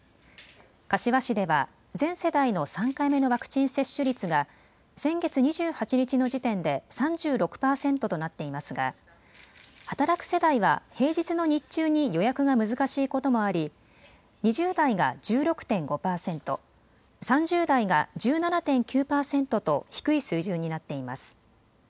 柏市では全世代の３回目のワクチン接種率が先月２８日の時点で３６％となっていますが働く世代は平日の日中に予約が難しいこともあり２０代が１６．５％、３０代が１７．９％と低い水準になっています。